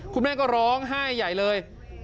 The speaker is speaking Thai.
คุณแม่ก็ร้องไห้ใหญ่เลย